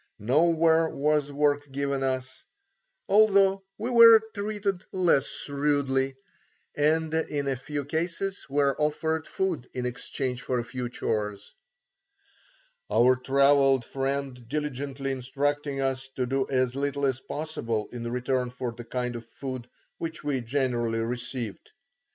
Nowhere was work given us, although we were treated less rudely, and in a few cases were offered food in exchange for a few chores; our travelled friend diligently instructing us to do as little as possible in return for the kind of food which we generally received.